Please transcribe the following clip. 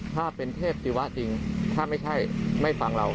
ถ้าเป็นเทพศิวะจริงถ้าไม่ใช่ไม่ฟังเรา